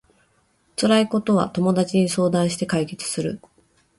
辛いことは友達に相談して解決する